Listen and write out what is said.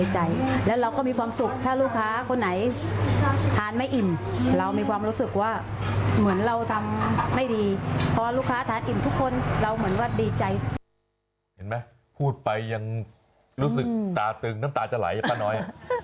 เห็นไหมพูดไปยังรู้สึกตาตึงน้ำตาจะไหลป้าน้อย